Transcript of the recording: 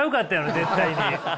絶対に！